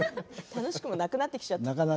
楽しくもなくなってきちゃった。